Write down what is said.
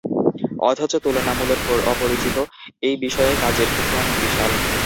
অথচ তুলনামূলক অপরিচিত এই বিষয়ে কাজের ক্ষেত্র অনেক বিশাল।